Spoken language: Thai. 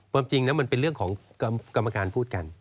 ความจริงนะมันเป็นเรื่องของกรรมการพูดกัน